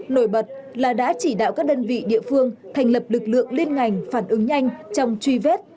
nổi bật là đã chỉ đạo các đơn vị địa phương thành lập lực lượng liên ngành phản ứng nhanh trong truy vết